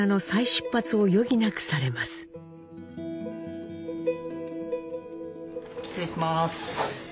失礼します。